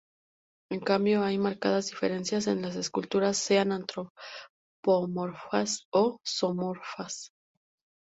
En cambio, hay marcadas diferencias en las esculturas sean antropomorfas o zoomorfas.